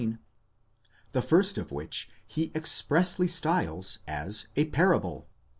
the first of which he expressly styles a Parable, παροιμία.